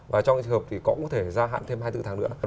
và trong trường hợp thì cũng có thể gia hạn thêm hai mươi bốn tháng nữa